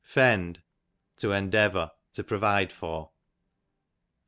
Fend, to endeavour ; to provide for.